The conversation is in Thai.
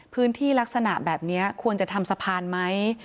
ลักษณะแบบนี้ควรจะทำสะพานไหม